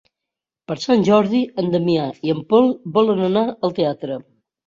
Per Sant Jordi en Damià i en Pol volen anar al teatre.